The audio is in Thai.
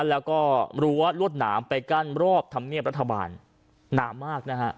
แล้วก็รั้วรวดหนามไปกั้นรอบธรรมเนียบรัฐบาลหนามากนะฮะ